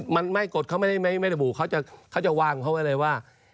มันไม่กฎเขาไม่ระบุเขาจะวางเขาไว้เลยว่า